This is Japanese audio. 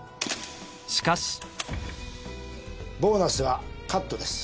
［しかし］ボーナスはカットです。